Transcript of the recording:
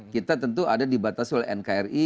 kita tentu ada dibatasi oleh nkri